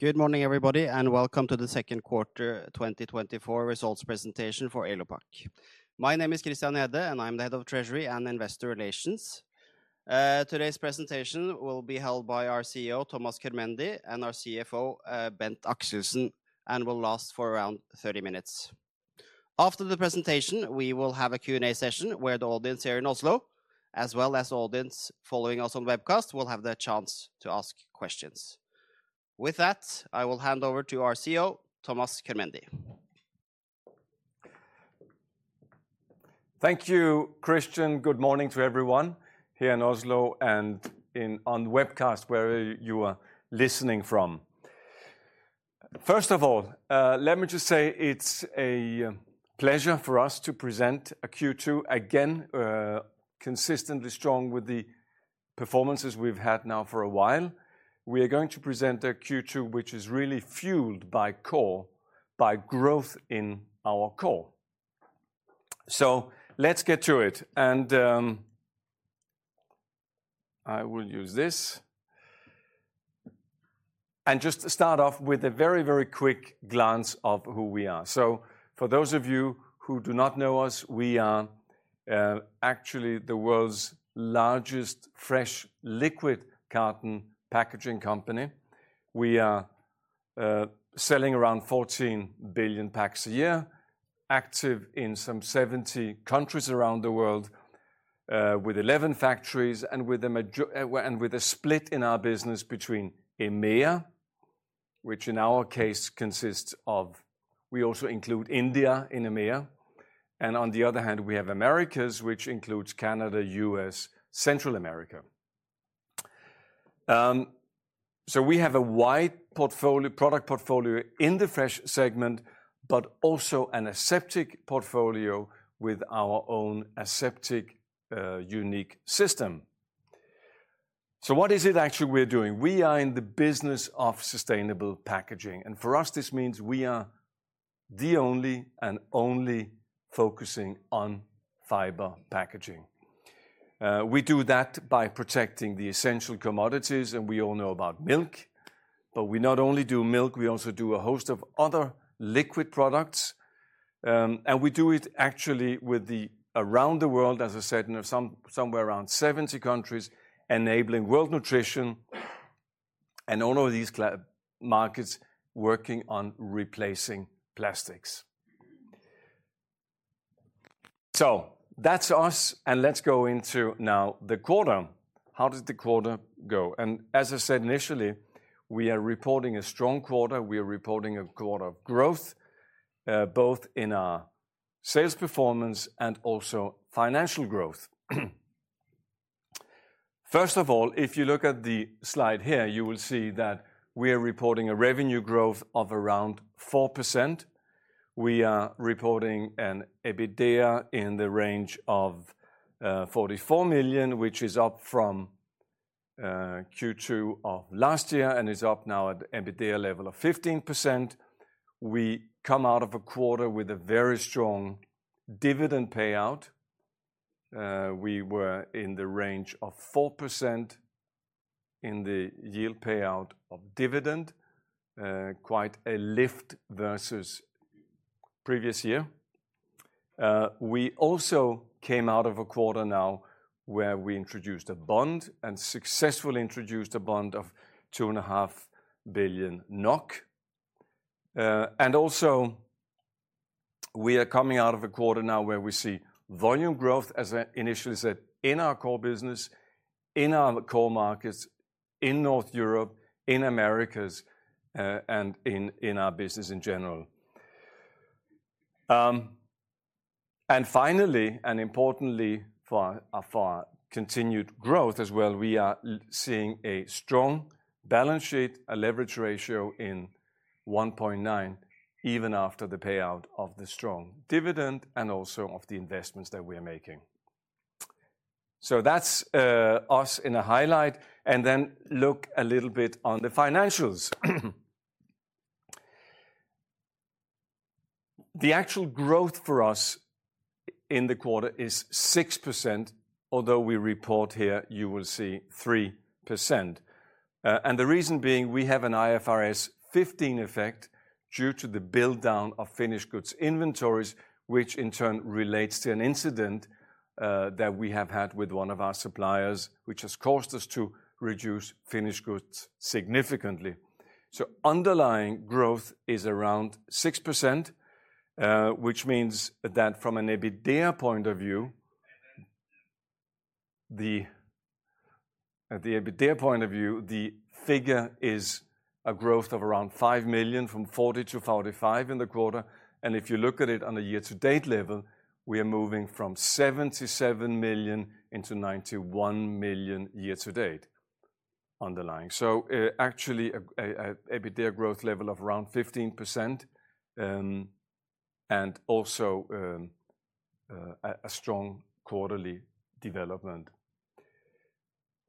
Good morning, everybody, and welcome to the Q2 2024 results presentation for Elopak. My name is Christian Gjerde, and I'm the Head of Treasury and Investor Relations. Today's presentation will be held by our CEO, Thomas Körmendi, and our CFO, Bent Axelsen, and will last for around 30 minutes. After the presentation, we will have a Q&A session where the audience here in Oslo, as well as audience following us on webcast, will have the chance to ask questions. With that, I will hand over to our CEO, Thomas Körmendi. Thank you, Christian. Good morning to everyone here in Oslo and in, on webcast, wherever you are listening from. First of all, let me just say it's a pleasure for us to present a Q2 again, consistently strong with the performances we've had now for a while. We are going to present a Q2, which is really fueled by core, by growth in our core. So let's get to it, and, I will use this. And just to start off with a very, very quick glance of who we are. So for those of you who do not know us, we are, actually the world's largest fresh liquid carton packaging company. We are selling around 14 billion packs a year, active in some 70 countries around the world, with 11 factories and with a split in our business between EMEA, which in our case consists of. We also include India in EMEA, and on the other hand, we have Americas, which includes Canada, U.S., Central America. So we have a wide portfolio, product portfolio in the fresh segment, but also an aseptic portfolio with our own aseptic unique system. So what is it actually we're doing? We are in the business of sustainable packaging, and for us, this means we are the only and only focusing on fiber packaging. We do that by protecting the essential commodities, and we all know about milk. But we not only do milk, we also do a host of other liquid products, and we do it actually with them around the world, as I said, somewhere around 70 countries, enabling world nutrition, and all of these markets working on replacing plastics. So that's us, and let's go into now the quarter. How did the quarter go? As I said initially, we are reporting a strong quarter, we are reporting a quarter of growth, both in our sales performance and also financial growth. First of all, if you look at the slide here, you will see that we are reporting a revenue growth of around 4%. We are reporting an EBITDA in the range of 44 million, which is up from Q2 of last year and is up now at EBITDA level of 15%. We come out of a quarter with a very strong dividend payout. We were in the range of 4% in the yield payout of dividend, quite a lift versus previous year. We also came out of a quarter now where we introduced a bond and successfully introduced a bond of 2.5 billion NOK. And also, we are coming out of a quarter now where we see volume growth, as I initially said, in our core business, in our core markets, in North Europe, in Americas, and in our business in general. And finally, and importantly, for our continued growth as well, we are seeing a strong balance sheet, a leverage ratio in 1.9, even after the payout of the strong dividend and also of the investments that we are making. So that's us in a highlight, and then look a little bit on the financials. The actual growth for us in the quarter is 6%, although we report here, you will see 3%. And the reason being, we have an IFRS 15 effect due to the build-down of finished goods inventories, which in turn relates to an incident that we have had with one of our suppliers, which has caused us to reduce finished goods significantly. So underlying growth is around 6%, which means that from an EBITDA point of view, at the EBITDA point of view, the figure is a growth of around 5 million, from 40 million to 45 million in the quarter. And if you look at it on a year-to-date level, we are moving from 77 million into 91 million year to date, underlying. So, actually, EBITDA growth level of around 15%, and also, a strong quarterly development.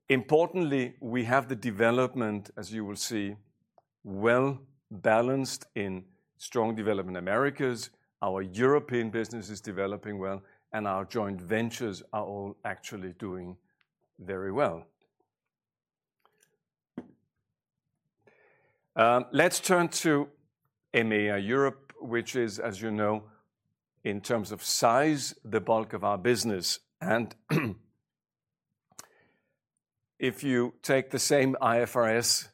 Importantly, we have the development, as you will see, well balanced in strong development Americas, our European business is developing well, and our joint ventures are all actually doing well.... very well. Let's turn to EMEA, Europe, which is, as you know, in terms of size, the bulk of our business. And if you take the same IFRS,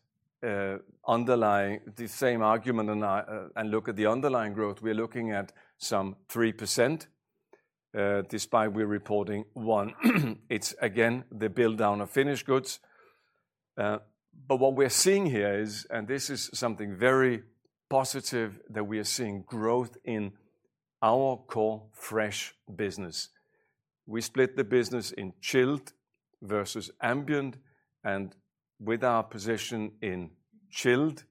underlying, the same argument and, and look at the underlying growth, we're looking at some 3%, despite we're reporting 1%. It's again, the build down of finished goods. But what we're seeing here is, and this is something very positive, that we are seeing growth in our core fresh business. We split the business in chilled versus ambient, and with our position in chilled,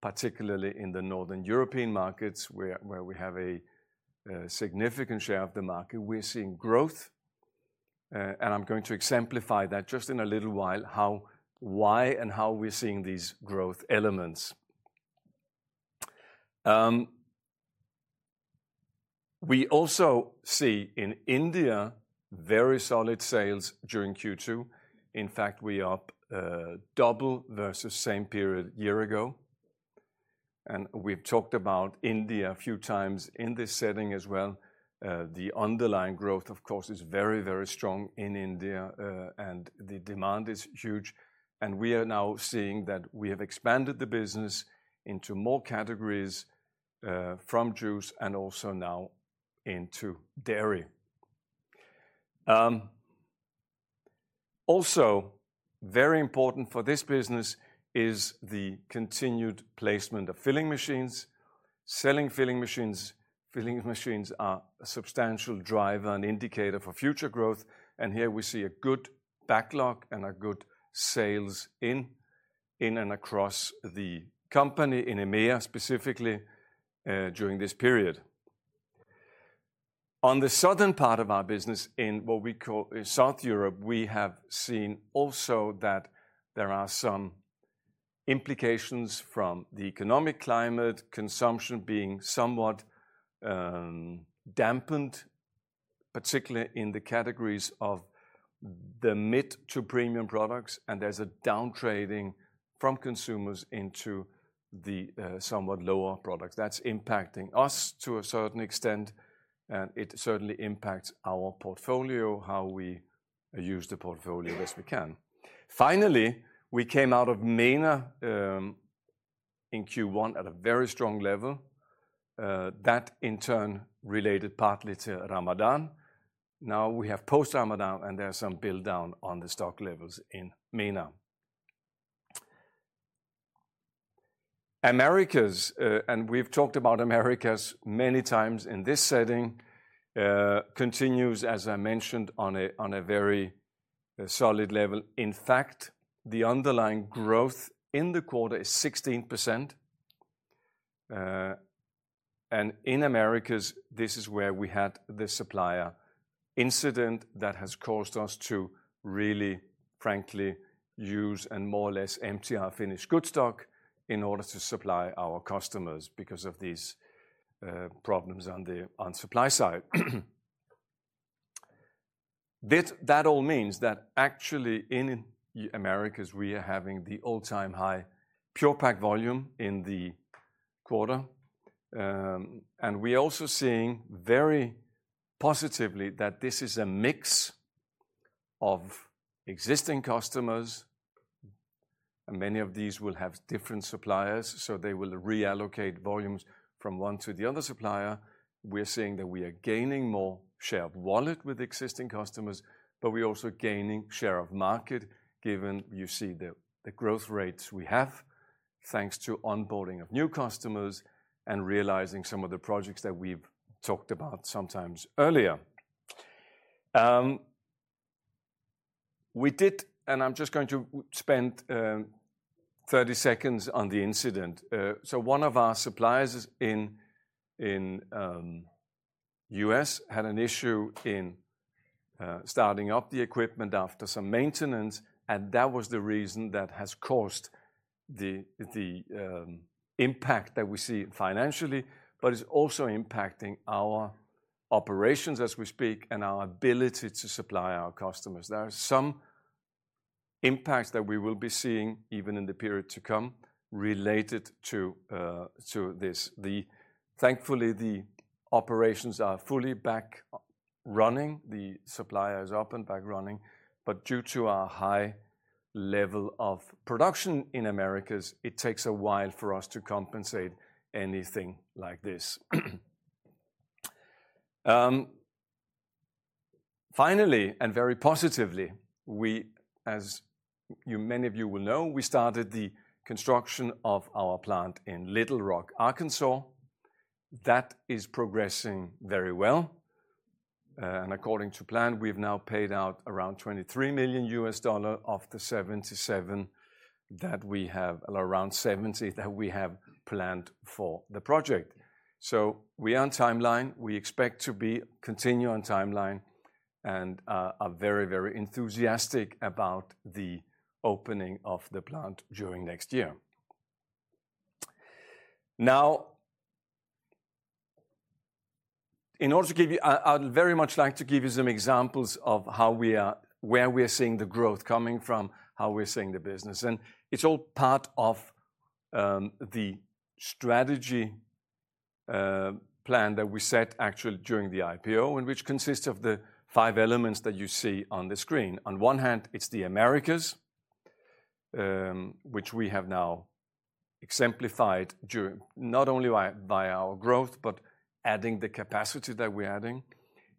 particularly in the Northern European markets, where we have a significant share of the market, we're seeing growth. I'm going to exemplify that just in a little while, how, why, and how we're seeing these growth elements. We also see in India very solid sales during Q2. In fact, we are up double versus same period year ago. We've talked about India a few times in this setting as well. The underlying growth, of course, is very, very strong in India, and the demand is huge. We are now seeing that we have expanded the business into more categories, from juice and also now into dairy. Also very important for this business is the continued placement of filling machines. Selling filling machines, filling machines are a substantial driver and indicator for future growth, and here we see a good backlog and a good sales in, in and across the company, in EMEA specifically, during this period. On the southern part of our business, in what we call South Europe, we have seen also that there are some implications from the economic climate, consumption being somewhat dampened, particularly in the categories of the mid to premium products, and there's a down trading from consumers into the somewhat lower products. That's impacting us to a certain extent, and it certainly impacts our portfolio, how we use the portfolio as best we can. Finally, we came out of MENA in Q1 at a very strong level. That in turn, related partly to Ramadan. Now we have post-Ramadan, and there are some build down on the stock levels in MENA. Americas, and we've talked about Americas many times in this setting, continues, as I mentioned, on a very solid level. In fact, the underlying growth in the quarter is 16%. And in Americas, this is where we had the supplier incident that has caused us to really, frankly, use and more or less empty our finished good stock in order to supply our customers because of these problems on the supply side. That all means that actually in Americas, we are having the all-time high Pure-Pak volume in the quarter. And we're also seeing very positively that this is a mix of existing customers. Many of these will have different suppliers, so they will reallocate volumes from one to the other supplier. We're seeing that we are gaining more share of wallet with existing customers, but we're also gaining share of market, given you see the growth rates we have, thanks to onboarding of new customers and realizing some of the projects that we've talked about sometimes earlier. I'm just going to spend 30 seconds on the incident. So one of our suppliers in U.S. had an issue in starting up the equipment after some maintenance, and that was the reason that has caused the impact that we see financially. But it's also impacting our operations as we speak and our ability to supply our customers. There are some impacts that we will be seeing, even in the period to come, related to, to this. Thankfully, the operations are fully back running, the supplier is up and back running, but due to our high level of production in Americas, it takes a while for us to compensate anything like this. Finally, and very positively, we, as you many of you will know, we started the construction of our plant in Little Rock, Arkansas. That is progressing very well. And according to plan, we've now paid out around $23 million of the 77 that we have, around 70, that we have planned for the project. So we are on timeline. We expect to be continue on timeline and are very, very enthusiastic about the opening of the plant during next year. Now... In order to give you, I'd very much like to give you some examples of where we are seeing the growth coming from, how we're seeing the business. And it's all part of the strategy plan that we set actually during the IPO, and which consists of the five elements that you see on the screen. On one hand, it's the Americas, which we have now exemplified during, not only by our growth, but adding the capacity that we're adding.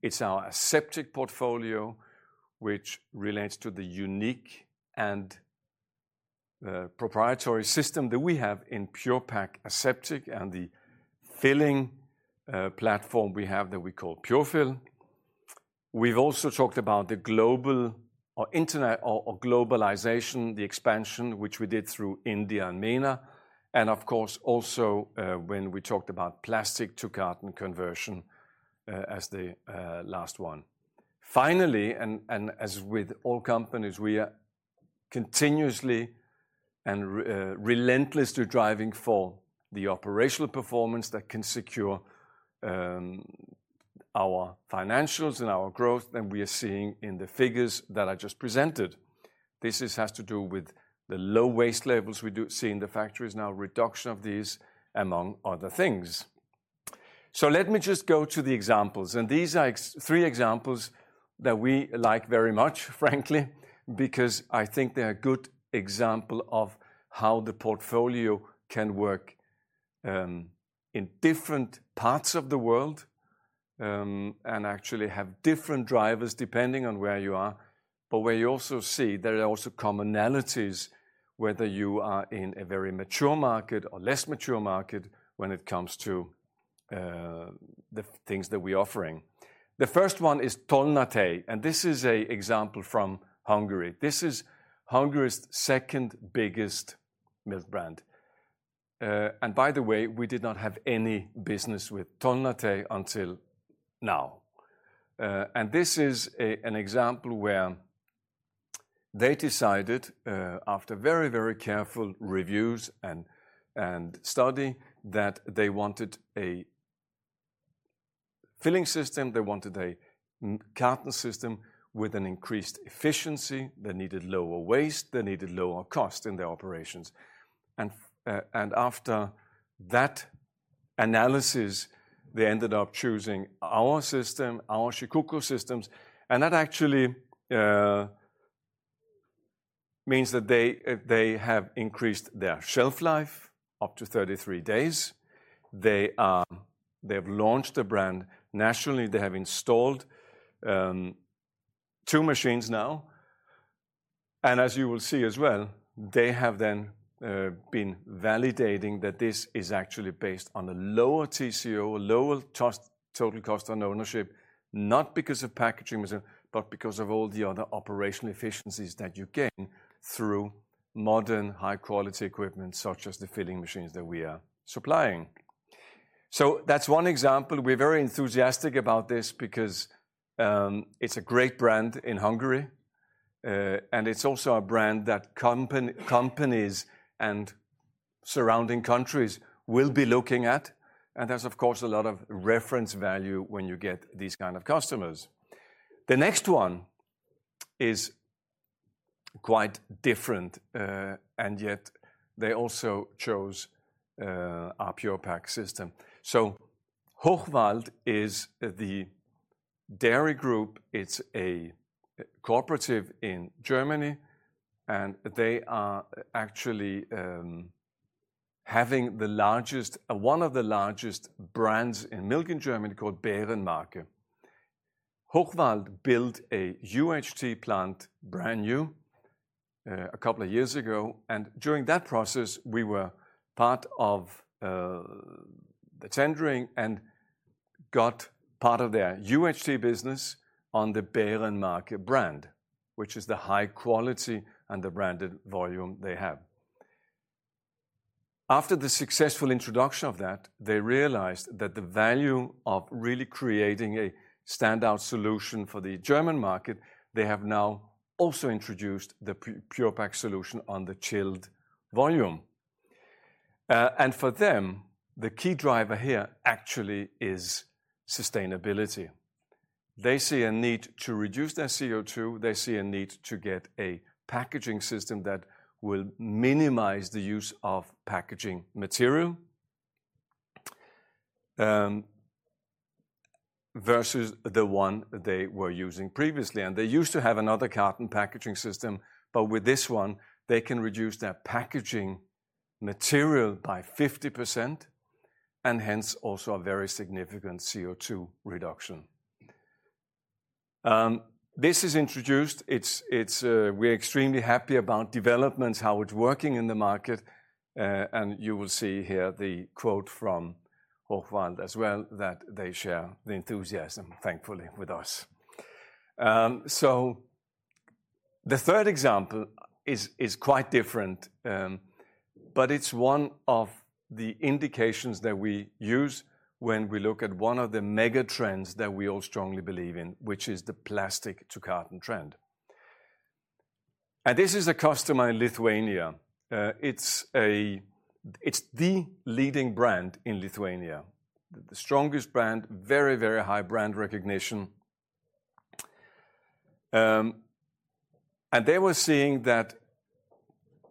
It's our aseptic portfolio, which relates to the unique and proprietary system that we have in Pure-Pak Aseptic, and the filling platform we have that we call Pure-Fill. We've also talked about the global or internet or, or globalization, the expansion, which we did through India and MENA, and of course, also, when we talked about plastic to carton conversion, as the last one. Finally, and as with all companies, we are continuously and relentless to driving for the operational performance that can secure our financials and our growth, and we are seeing in the figures that I just presented. This has to do with the low waste levels we do see in the factories now, reduction of these, among other things. So let me just go to the examples, and these are three examples that we like very much, frankly, because I think they are good example of how the portfolio can work, in different parts of the world, and actually have different drivers depending on where you are, but where you also see there are also commonalities, whether you are in a very mature market or less mature market when it comes to, the things that we are offering. The first one is Tolnatej, and this is an example from Hungary. This is Hungary's second biggest milk brand. And by the way, we did not have any business with Tolnatej until now. And this is an example where they decided, after very, very careful reviews and study, that they wanted a filling system, they wanted a carton system with an increased efficiency. They needed lower waste, they needed lower cost in their operations. And after that analysis, they ended up choosing our system, our Shikoku systems, and that actually means that they, they have increased their shelf life up to 33 days. They are... They have launched the brand nationally. They have installed two machines now, and as you will see as well, they have then been validating that this is actually based on a lower TCO, a lower cost, total cost of ownership, not because of packaging machine, but because of all the other operational efficiencies that you gain through modern, high-quality equipment, such as the filling machines that we are supplying. So that's one example. We're very enthusiastic about this because it's a great brand in Hungary, and it's also a brand that companies and surrounding countries will be looking at, and there's, of course, a lot of reference value when you get these kind of customers. The next one is quite different, and yet they also chose our Pure-Pak system. So Hochwald is the dairy group. It's a cooperative in Germany, and they are actually having the largest, one of the largest brands in milk in Germany, called Bärenmarke. Hochwald built a UHT plant, brand new, a couple of years ago, and during that process, we were part of the tendering and got part of their UHT business on the Bärenmarke brand, which is the high quality and the branded volume they have. After the successful introduction of that, they realized that the value of really creating a standout solution for the German market, they have now also introduced the Pure-Pak solution on the chilled volume. And for them, the key driver here actually is sustainability. They see a need to reduce their CO2. They see a need to get a packaging system that will minimize the use of packaging material versus the one they were using previously, and they used to have another carton packaging system, but with this one, they can reduce their packaging material by 50%, and hence, also a very significant CO2 reduction. This is introduced. We're extremely happy about developments, how it's working in the market, and you will see here the quote from Hochwald as well, that they share the enthusiasm, thankfully, with us. So the third example is quite different, but it's one of the indications that we use when we look at one of the mega trends that we all strongly believe in, which is the plastic to carton trend. And this is a customer in Lithuania. It's the leading brand in Lithuania, the strongest brand, very, very high brand recognition. And they were seeing that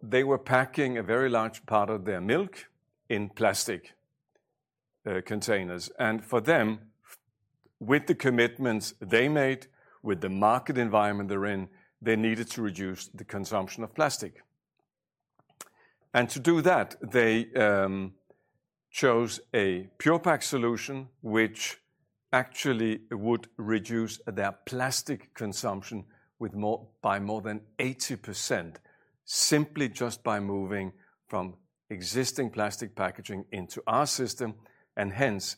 they were packing a very large part of their milk in plastic containers, and for them, with the commitments they made, with the market environment they're in, they needed to reduce the consumption of plastic. And to do that, they chose a Pure-Pak solution, which actually would reduce their plastic consumption with more, by more than 80%, simply just by moving from existing plastic packaging into our system, and hence,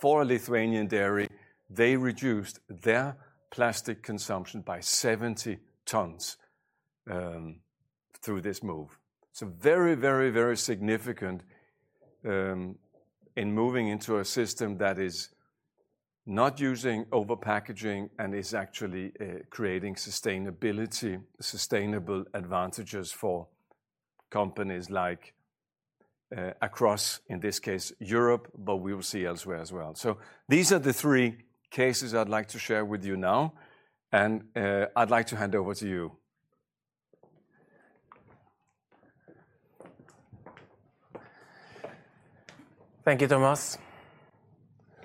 for a Lithuanian dairy, they reduced their plastic consumption by 70 tons through this move. So very, very, very significant in moving into a system that is not using over-packaging and is actually creating sustainability, sustainable advantages for companies like across, in this case, Europe, but we will see elsewhere as well. So these are the three cases I'd like to share with you now, and I'd like to hand over to you. Thank you, Thomas.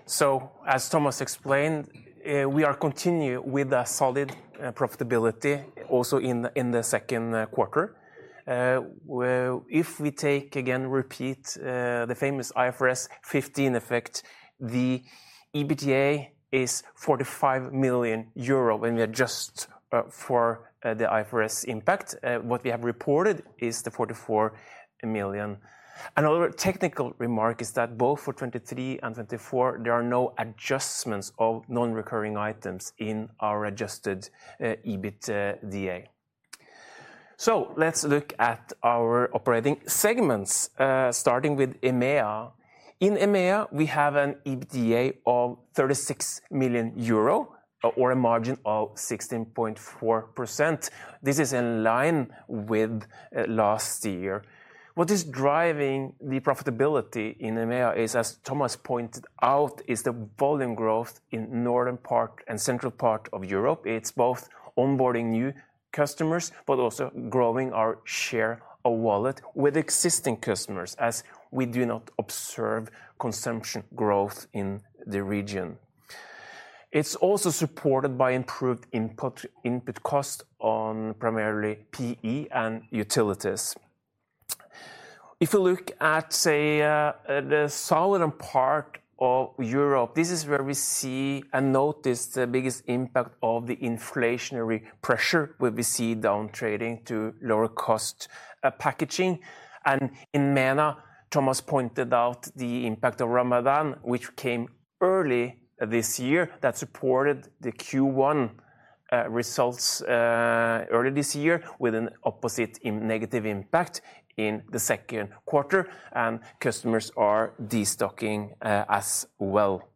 So as Thomas explained, we are continue with a solid profitability also in the Q2. Where if we take again the famous IFRS 15 effect, the EBITDA is 45 million euro when we adjust for the IFRS impact. What we have reported is the 44 million. Another technical remark is that both for 2023 and 2024, there are no adjustments of non-recurring items in our adjusted EBITDA. So let's look at our operating segments, starting with EMEA. In EMEA, we have an EBITDA of 36 million euro, or a margin of 16.4%. This is in line with last year. What is driving the profitability in EMEA is, as Thomas pointed out, the volume growth in northern part and central part of Europe. It's both onboarding new customers, but also growing our share of wallet with existing customers, as we do not observe consumption growth in the region. It's also supported by improved input, input cost on primarily PE and utilities. If you look at, say, the southern part of Europe, this is where we see and notice the biggest impact of the inflationary pressure, where we see down trading to lower cost, packaging. And in MENA, Thomas pointed out the impact of Ramadan, which came early this year, that supported the Q1, results early this year, with an opposite in negative impact in the Q2, and customers are destocking, as well.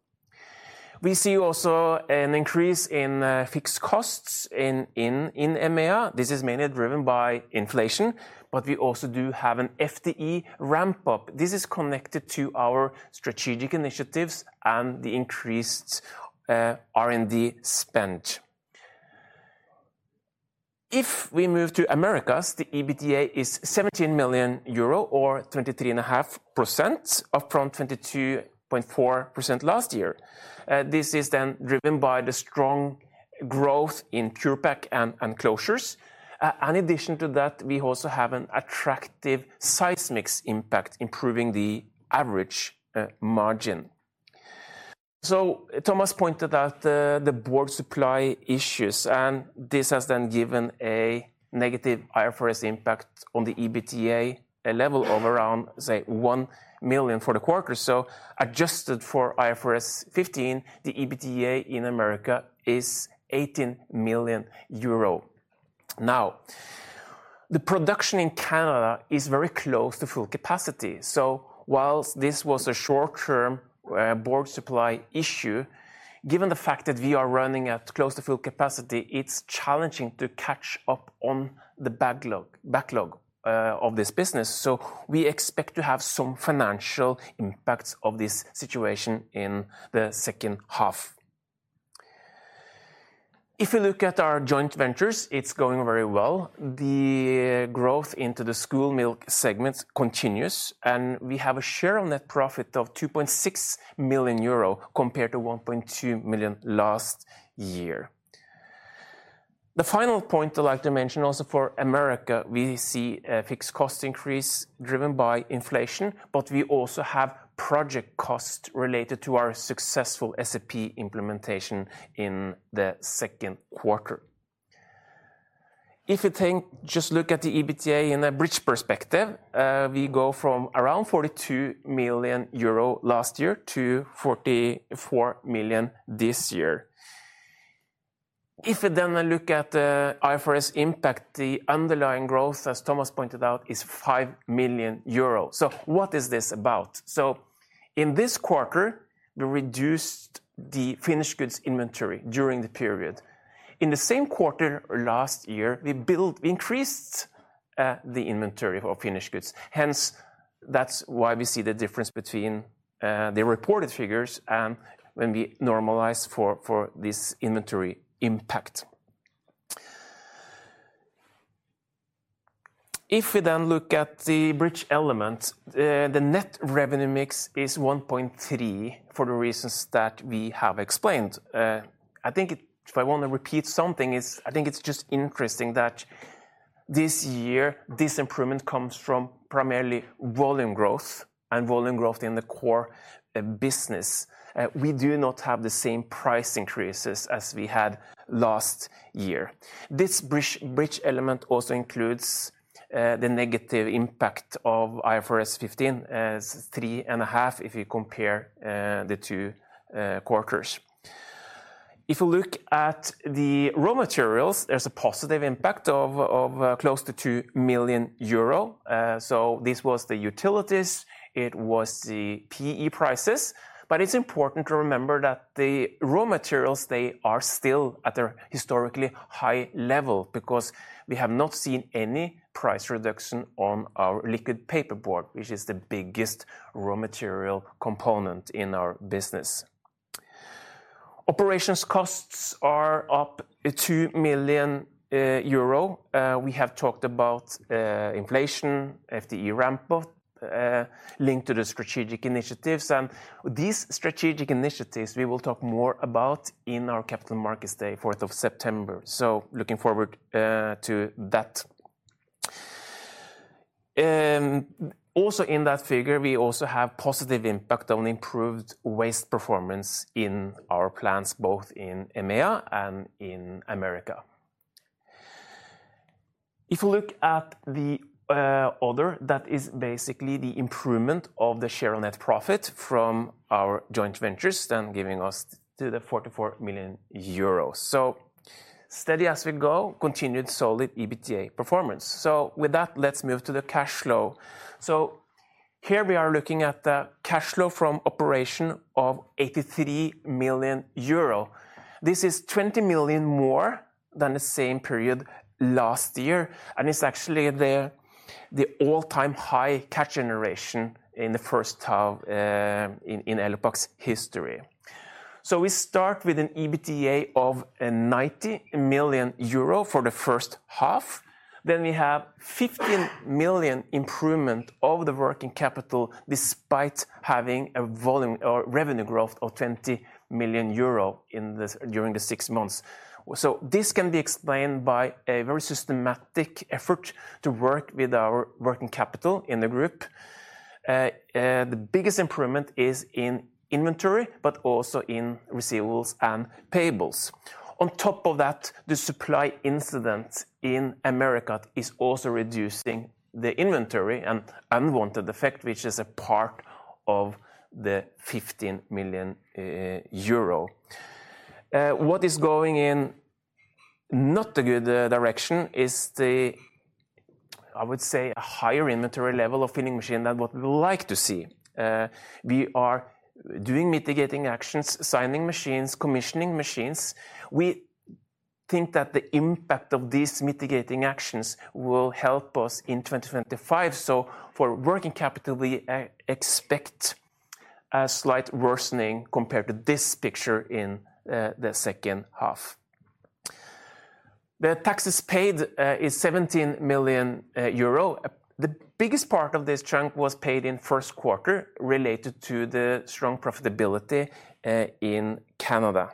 We see also an increase in fixed costs in EMEA. This is mainly driven by inflation, but we also do have an FTE ramp-up. This is connected to our strategic initiatives and the increased R&D spend. If we move to Americas, the EBITDA is 17 million euro, or 23.5%, up from 22.4% last year. This is then driven by the strong growth in Pure-Pak and closures. And addition to that, we also have an attractive size mix impact, improving the average margin. So Thomas pointed out the board supply issues, and this has then given a negative IFRS impact on the EBITDA, a level of around, say, 1 million for the quarter. So adjusted for IFRS 15, the EBITDA in America is 18 million euro. Now, the production in Canada is very close to full capacity. So whilst this was a short-term board supply issue, given the fact that we are running at close to full capacity, it's challenging to catch up on the backlog of this business. So we expect to have some financial impacts of this situation in the second half. If you look at our joint ventures, it's going very well. The growth into the school milk segment continues, and we have a share on net profit of 2.6 million euro, compared to 1.2 million last year. The final point I'd like to mention also for America, we see a fixed cost increase driven by inflation, but we also have project costs related to our successful SAP implementation in the Q2. If you think, just look at the EBITDA in a bridge perspective, we go from around 42 million euro last year to 44 million this year. If you then look at the IFRS impact, the underlying growth, as Thomas pointed out, is 5 million euros. So what is this about? In this quarter, we reduced the finished goods inventory during the period. In the same quarter last year, we built, increased, the inventory of finished goods. Hence, that's why we see the difference between the reported figures and when we normalize for this inventory impact. If we then look at the bridge element, the net revenue mix is 1.3 for the reasons that we have explained. I think if I want to repeat something, is I think it's just interesting that this year, this improvement comes from primarily volume growth and volume growth in the core business. We do not have the same price increases as we had last year. This bridge element also includes the negative impact of IFRS 15 as 3.5 million, if you compare the two quarters. If you look at the raw materials, there's a positive impact of close to 2 million euro. So this was the utilities, it was the PE prices. But it's important to remember that the raw materials, they are still at a historically high level because we have not seen any price reduction on our liquid paperboard, which is the biggest raw material component in our business. Operations costs are up 2 million euro. We have talked about inflation, FTE ramp-up linked to the strategic initiatives, and these strategic initiatives, we will talk more about in our Capital Markets Day, 4 September. So looking forward to that. Also in that figure, we also have positive impact on improved waste performance in our plants, both in EMEA and in America. If you look at the other, that is basically the improvement of the share on net profit from our joint ventures, then giving us to the 44 million euros. So steady as we go, continued solid EBITDA performance. So with that, let's move to the cash flow. So here we are looking at the cash flow from operation of 83 million euro. This is 20 million more than the same period last year, and it's actually the all-time high cash generation in the first half in Elopak history. So we start with an EBITDA of 90 million euro for the first half, then we have 15 million improvement of the working capital, despite having a volume or revenue growth of 20 million euro in this during the six months. So this can be explained by a very systematic effort to work with our working capital in the group. The biggest improvement is in inventory, but also in receivables and payables. On top of that, the supply incident in America is also reducing the inventory and unwanted effect, which is a part of the 15 million euro. What is going in not a good direction is the, I would say, a higher inventory level of filling machine than what we would like to see. We are doing mitigating actions, signing machines, commissioning machines. We think that the impact of these mitigating actions will help us in 2025. So for working capital, we expect a slight worsening compared to this picture in the second half. The taxes paid is 17 million euro. The biggest part of this chunk was paid in Q1, related to the strong profitability in Canada.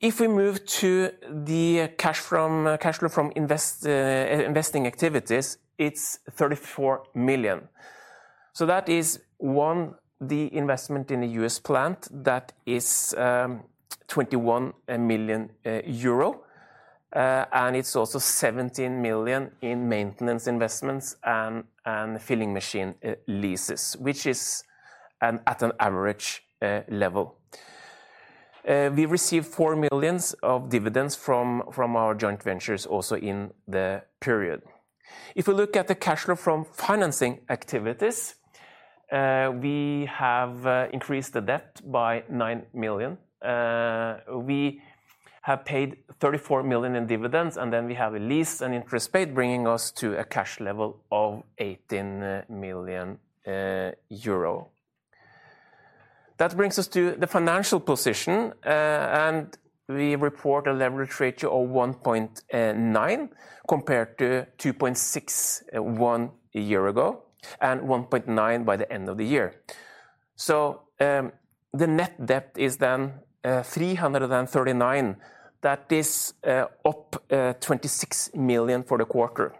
If we move to the cash flow from investing activities, it's 34 million. That is, one, the investment in the U.S. plant, that is, 21 million euro, and it's also 17 million in maintenance investments and filling machine leases, which is at an average level. We received 4 million of dividends from our joint ventures also in the period. If we look at the cash flow from financing activities, we have increased the debt by 9 million. We have paid 34 million in dividends, and then we have a lease and interest paid, bringing us to a cash level of 18 million euro. That brings us to the financial position, and we report a leverage ratio of 1.9, compared to 2.6 one year ago, and 1.9 by the end of the year. So, the net debt is then 339. That is up 26 million for the quarter.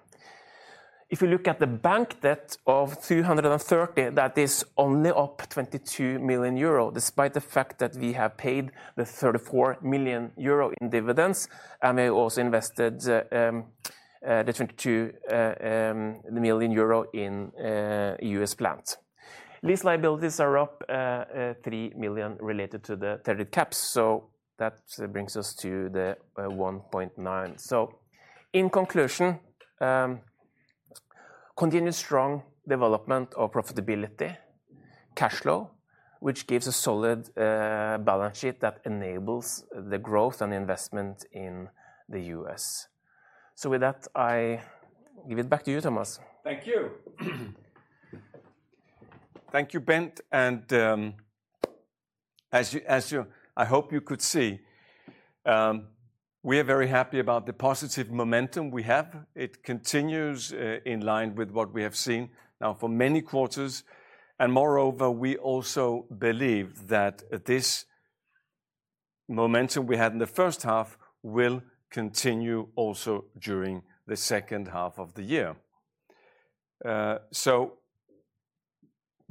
If you look at the bank debt of 230, that is only up 22 million euro, despite the fact that we have paid the 34 million euro in dividends, and we also invested the 22 million euro in U.S. plant. Lease liabilities are up 3 million related to the traded caps. So that brings us to the 1.9. So in conclusion, continued strong development of profitability, cash flow, which gives a solid balance sheet that enables the growth and investment in the US. So with that, I give it back to you, Thomas. Thank you. Thank you, Bent, and as you—I hope you could see, we are very happy about the positive momentum we have. It continues in line with what we have seen now for many quarters, and moreover, we also believe that this momentum we had in the first half will continue also during the second half of the year. So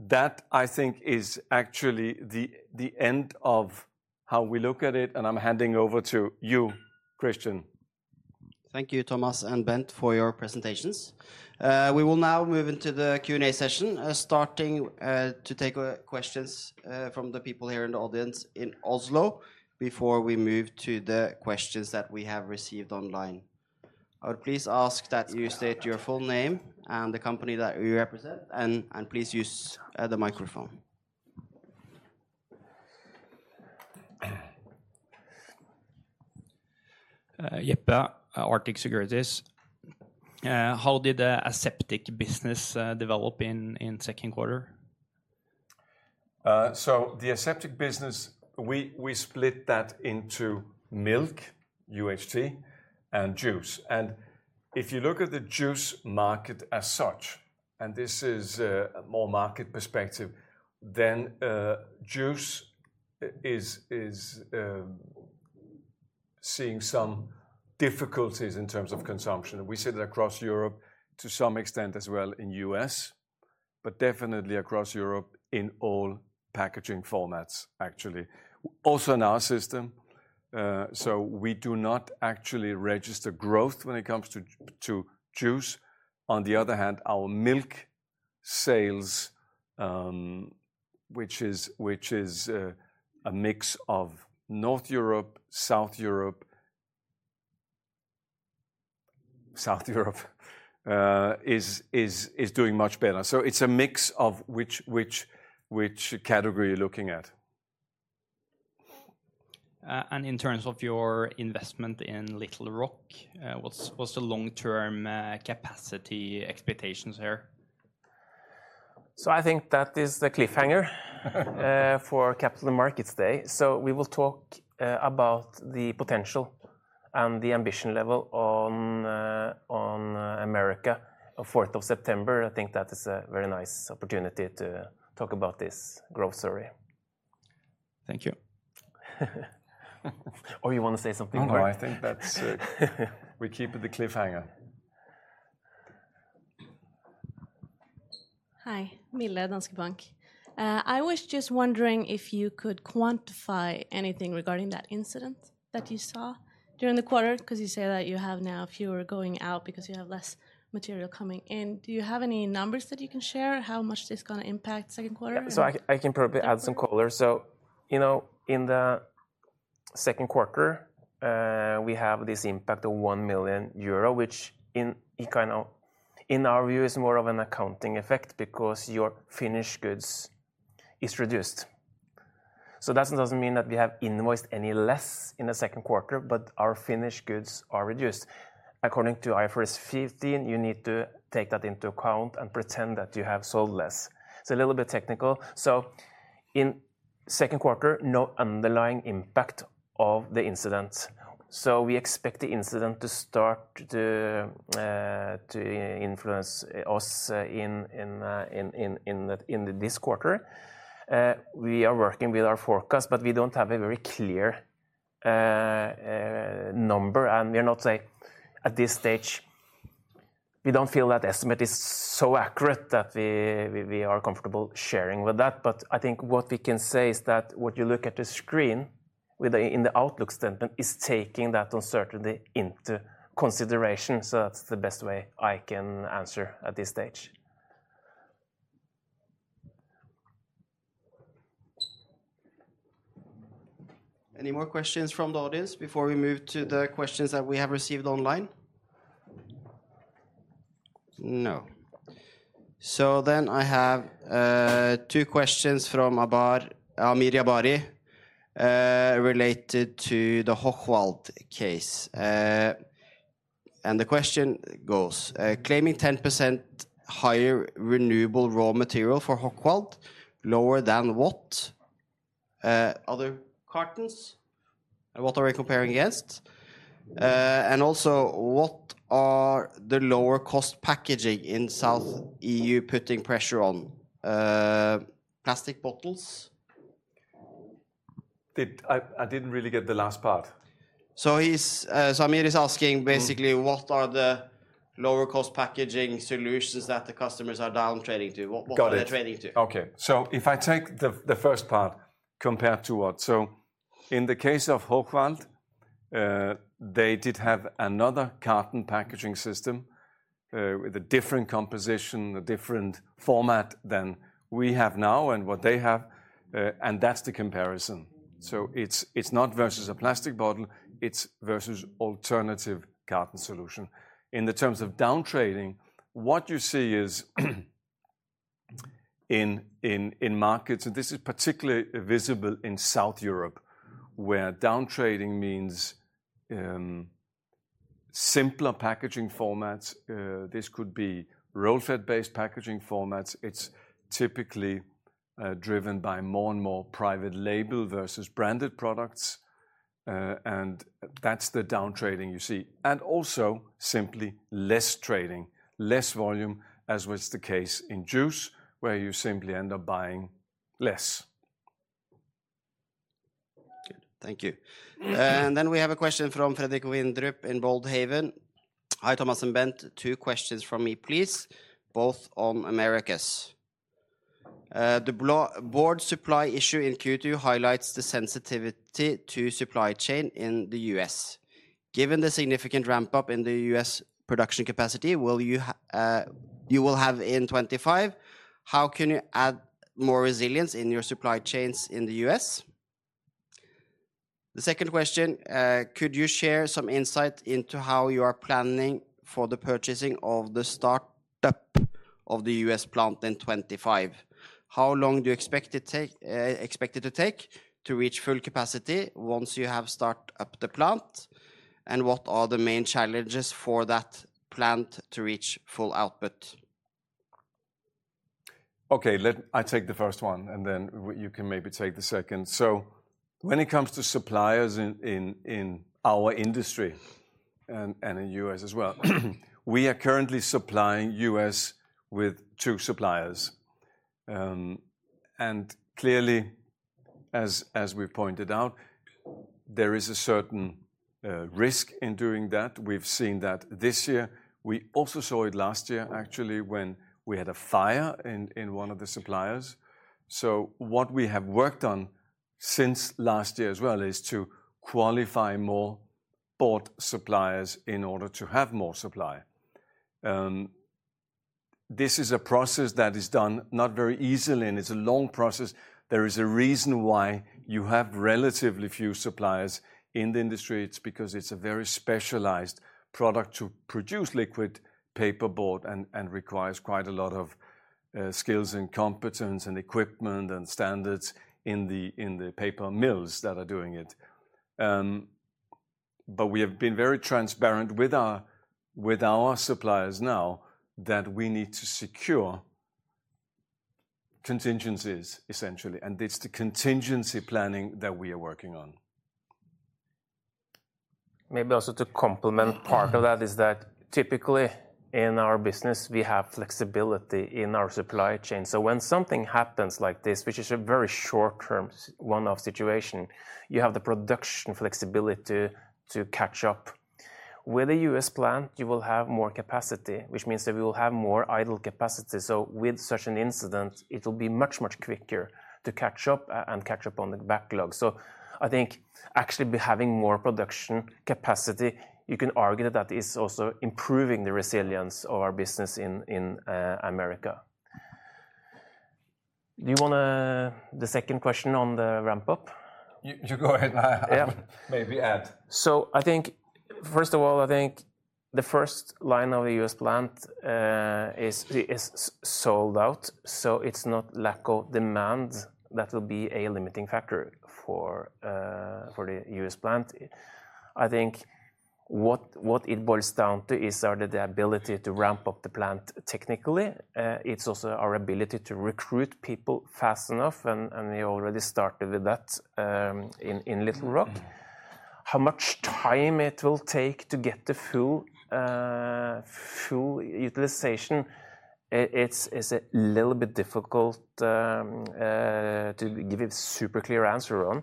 that, I think, is actually the end of how we look at it, and I'm handing over to you, Christian. Thank you, Thomas and Bent, for your presentations. We will now move into the Q&A session, starting to take questions from the people here in the audience in Oslo before we move to the questions that we have received online. I would please ask that you state your full name and the company that you represent, and please use the microphone. Jeppe, Arctic Securities. How did the aseptic business develop in Q2? So the aseptic business, we split that into milk, UHT, and juice. And if you look at the juice market as such, and this is more market perspective, then juice is seeing some difficulties in terms of consumption. We see that across Europe, to some extent as well in U.S., but definitely across Europe in all packaging formats, actually. Also in our system, so we do not actually register growth when it comes to juice. On the other hand, our milk sales, which is a mix of North Europe, South Europe, is doing much better. So it's a mix of which category you're looking at. In terms of your investment in Little Rock, what's the long-term capacity expectations there? So I think that is the cliffhanger for Capital Markets Day. So we will talk about the potential and the ambition level on America on fourth of September. I think that is a very nice opportunity to talk about this growth story. Thank you. Or you want to say something more? No, I think that's. We keep it the cliffhanger. Hi. Mille, Danske Bank. I was just wondering if you could quantify anything regarding that incident that you saw during the quarter? 'Cause you say that you have now fewer going out because you have less material coming in. Do you have any numbers that you can share, how much this is gonna impact Q2? So I can probably add some color. So, you know, in the Q2, we have this impact of 1 million euro, which in kind of, in our view, is more of an accounting effect because your finished goods is reduced. So that's doesn't mean that we have invoiced any less in the Q2, but our finished goods are reduced. According to IFRS 15, you need to take that into account and pretend that you have sold less. It's a little bit technical. So in Q2, no underlying impact of the incident, so we expect the incident to start to influence us in this quarter. We are working with our forecast, but we don't have a very clear number, and we are not saying... At this stage, we don't feel that estimate is so accurate that we are comfortable sharing with that. But I think what we can say is that what you look at the screen, in the outlook statement, is taking that uncertainty into consideration. So that's the best way I can answer at this stage. Any more questions from the audience before we move to the questions that we have received online? No. So then I have two questions from Amir Jabbari related to the Hochwald case. And the question goes: Claiming 10% higher renewable raw material for Hochwald, lower than what? Other cartons, and what are we comparing against? And also, what are the lower-cost packaging in South Europe putting pressure on, plastic bottles? I didn't really get the last part. So Amir is asking basically what are the lower-cost packaging solutions that the customers are downtrending to? Got it. What are they trending to? Okay, so if I take the first part, compared to what? So in the case of Hochwald, they did have another carton packaging system with a different composition, a different format than we have now and what they have, and that's the comparison. So it's not versus a plastic bottle, it's versus alternative carton solution. In the terms of downtrading, what you see is in markets, and this is particularly visible in South Europe, where downtrading means simpler packaging formats. This could be roll-fed based packaging formats. It's typically driven by more and more private label versus branded products. And that's the downtrading you see, and also simply less trading, less volume, as was the case in juice, where you simply end up buying less. Good. Thank you. Then we have a question from Fredric Wild in Boldhaven. "Hi, Thomas and Bent. Two questions from me, please, both on Americas. The board supply issue in Q2 highlights the sensitivity to supply chain in the U.S. Given the significant ramp-up in the U.S. production capacity, you will have in 2025, how can you add more resilience in your supply chains in the U.S.? The second question: Could you share some insight into how you are planning for the purchasing of the start-up of the U.S. plant in 2025? How long do you expect it to take to reach full capacity once you have start up the plant? And what are the main challenges for that plant to reach full output? Okay, let me take the first one, and then you can maybe take the second. So when it comes to suppliers in our industry, and in the U.S. as well, we are currently supplying the U.S. with two suppliers. And clearly, as we pointed out, there is a certain risk in doing that. We've seen that this year. We also saw it last year, actually, when we had a fire in one of the suppliers. So what we have worked on since last year as well is to qualify more board suppliers in order to have more supply. This is a process that is done not very easily, and it's a long process. There is a reason why you have relatively few suppliers in the industry. It's because it's a very specialized product to produce liquid paperboard and requires quite a lot of skills and competence, and equipment, and standards in the paper mills that are doing it. But we have been very transparent with our suppliers now that we need to secure contingencies, essentially, and it's the contingency planning that we are working on. Maybe also to complement, part of that is that typically in our business, we have flexibility in our supply chain. So when something happens like this, which is a very short-term, one-off situation, you have the production flexibility to catch up. With the U.S. plant, you will have more capacity, which means that we will have more idle capacity. So with such an incident, it'll be much, much quicker to catch up and catch up on the backlog. So I think actually by having more production capacity, you can argue that is also improving the resilience of our business in America. Do you want to... The second question on the ramp-up? You, you go ahead. Yeah. I will maybe add. So I think, first of all, I think the first line of the U.S. plant is sold out, so it's not lack of demand that will be a limiting factor for the U.S. plant. I think what it boils down to is sort of the ability to ramp up the plant technically. It's also our ability to recruit people fast enough, and we already started with that in Little Rock. How much time it will take to get the full utilization, it's a little bit difficult to give a super clear answer on.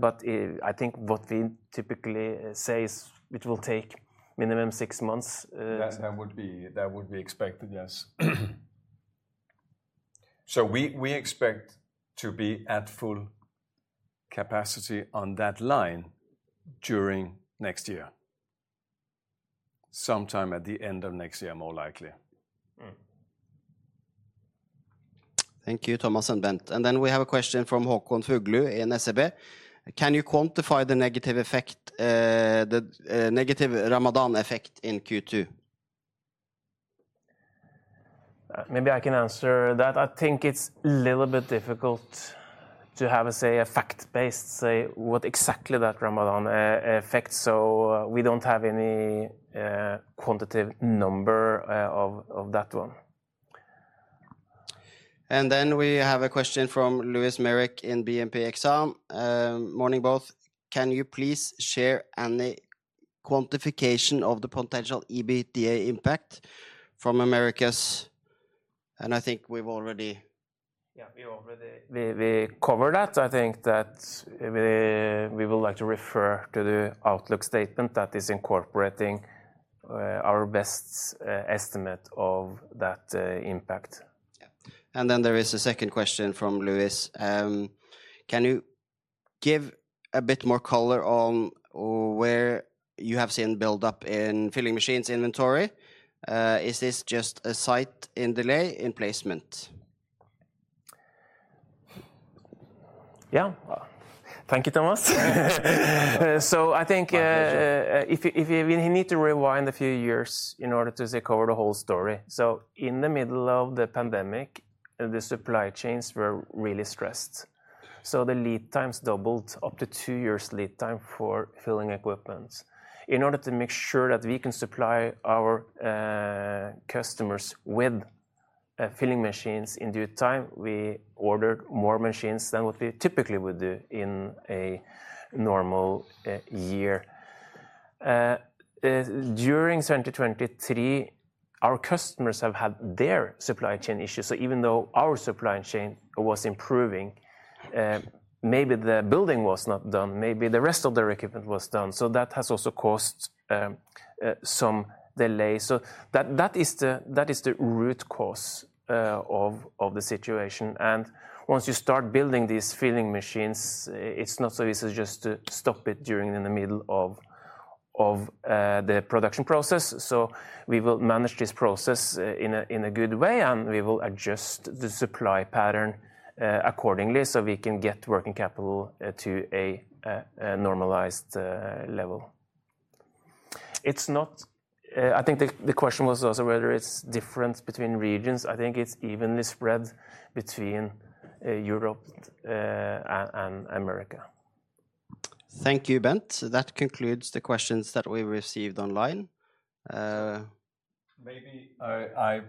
But I think what we typically say is it will take minimum six months. That would be expected, yes. So we expect to be at full capacity on that line during next year. Sometime at the end of next year, more likely. Thank you, Thomas and Bent. Then we have a question from Håkon Fuglu at SEB: "Can you quantify the negative effect, the, negative Ramadan effect in Q2? Maybe I can answer that. I think it's a little bit difficult to have, say, a fact-based, say, what exactly that Ramadan effect, so we don't have any quantitative number of that one. And then we have a question from Lewis Merrick in BNP Paribas Exane. "Morning, both. Can you please share any quantification of the potential EBITDA impact from Americas?" And I think we've already— Yeah, we already covered that. I think that we would like to refer to the outlook statement that is incorporating our best estimate of that impact. Yeah. And then there is a second question from Lewis. "Can you give a bit more color on where you have seen build-up in filling machines inventory? Is this just a slight delay in placement? Yeah. Thank you, Thomas. So I think— My pleasure. —if you need to rewind a few years in order to see cover the whole story. So in the middle of the pandemic, the supply chains were really stressed, so the lead times doubled up to two years lead time for filling equipment. In order to make sure that we can supply our customers with filling machines in due time, we ordered more machines than what we typically would do in a normal year. During 2023, our customers have had their supply chain issues, so even though our supply chain was improving, maybe the building was not done, maybe the rest of their equipment was done. So that has also caused some delay. So that is the root cause of the situation, and once you start building these filling machines, it's not so easy just to stop it during in the middle of the production process. So we will manage this process in a good way, and we will adjust the supply pattern accordingly so we can get working capital to a normalized level. It's not... I think the question was also whether it's different between regions. I think it's evenly spread between Europe and America. Thank you, Bent. That concludes the questions that we received online. Maybe,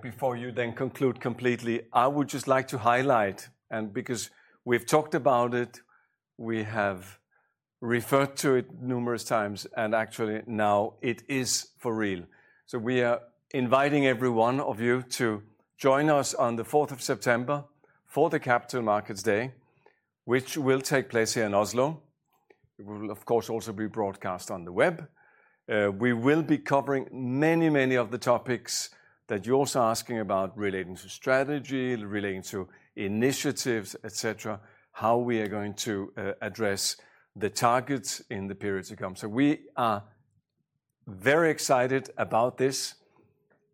before you then conclude completely, I would just like to highlight, and because we've talked about it, we have referred to it numerous times, and actually now it is for real. So we are inviting every one of you to join us on the 4th of September for the Capital Markets Day, which will take place here in Oslo. It will, of course, also be broadcast on the web. We will be covering many, many of the topics that you're also asking about relating to strategy, relating to initiatives, et cetera. How we are going to address the targets in the periods to come. So we are very excited about this,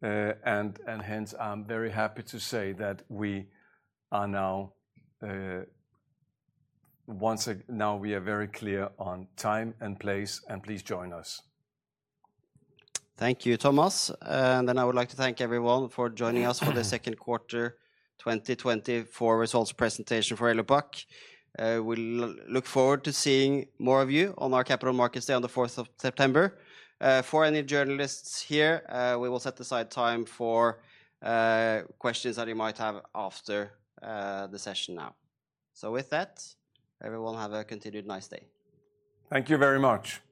and hence, I'm very happy to say that we are now now we are very clear on time and place, and please join us. Thank you, Thomas. Then I would like to thank everyone for joining us for the Q2 2024 results presentation for Elopak. We look forward to seeing more of you on our Capital Markets Day on the fourth of September. For any journalists here, we will set aside time for questions that you might have after the session now. With that, everyone have a continued nice day. Thank you very much.